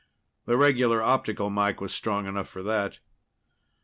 The regular optical mike was strong enough for that.